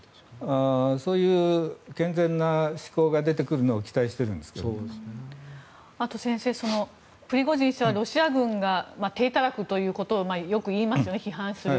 そういう健全な思考が出てくるのをあと先生、プリゴジン氏はロシア軍が体たらくということをよく言いますよね批判する。